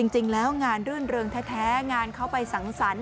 จริงแล้วงานรื่นเริงแท้งานเขาไปสังสรรค์